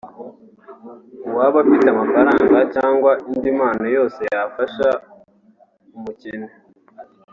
uwaba afite amafaranga cyangwa indi mpano yose yafasha umukene